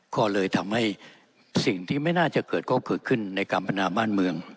ก็เลยทำให้สิ่งที่ไม่น่าจะเกิดก็เกิดขึ้นในการพนาบ้านเมือง